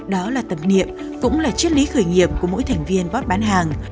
đó là tập niệm cũng là triết lý khởi nghiệp của mỗi thành viên bót bán hàng